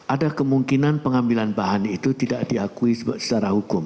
ada kemungkinan pengambilan bahan itu tidak diakui secara hukum